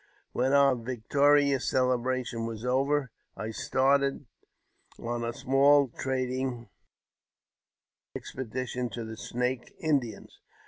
197 When our victorious celebration was over, I started on a small trading expedition to the Snake Indians.